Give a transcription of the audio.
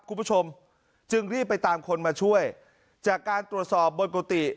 คุณผู้ชมจึงรีบไปตามคนมาช่วยจากการตรวจสอบบนกุฏิ